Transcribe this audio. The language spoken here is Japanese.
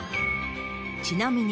ちなみに。